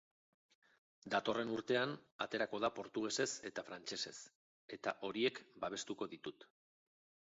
Datorren urtean aterako da portugesez eta frantsesez, eta horiek babestuko ditut.